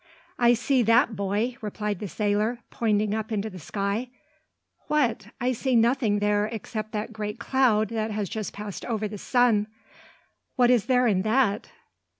"I see that, boy," replied the sailor, pointing up into the sky. "What? I see nothing there except that great cloud that has just passed over the sun. What is there in that?"